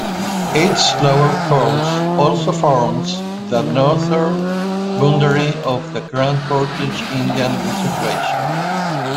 Its lower course also forms the northern boundary of the Grand Portage Indian Reservation.